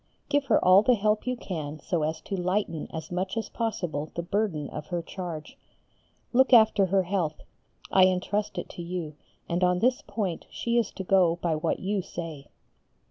Give her all the help you can so as to lighten as much as possible the burden of her charge. Look after her health; I entrust it to you, and on this point she is to go by what you say.